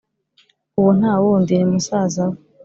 uwo ntawundi ni musaza we